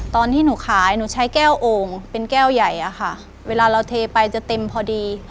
ตอนที่หนูขายหนูใช้แก้วโอ่งเป็นแก้วใหญ่อะค่ะเวลาเราเทไปจะเต็มพอดี